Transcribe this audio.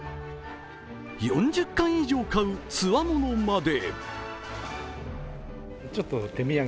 ４０缶以上買うつわものまで。